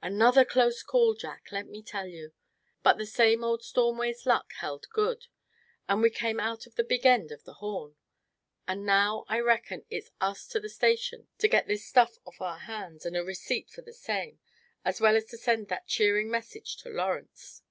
"Another close call, Jack, let me tell you; but the same old Stormways luck held good, and we came out of the big end of the horn. And now I reckon it's us to the station to get this stuff off our hands, and a receipt for the same; as well as to send that cheering message to Lawrence."